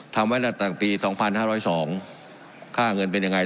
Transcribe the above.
ทำไว้ตั้งปีสองพันห้าร้อยสองค่าเงินเป็นยังไง